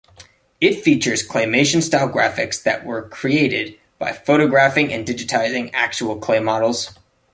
It features claymation-style graphics that were created by photographing and digitizing actual clay models.